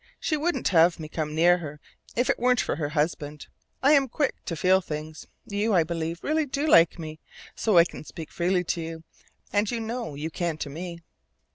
She wouldn't have me come near her if it weren't for her husband. I am quick to feel things. You, I believe, really do like me a little, so I can speak freely to you. And you know you can to me."